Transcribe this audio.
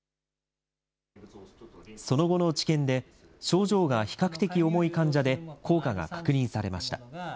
その後の治験で、症状が比較的重い患者で効果が確認されました。